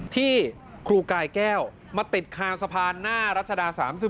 ที่ครูกายแก้วมาติดคาสะพานหน้ารัชดา๓๑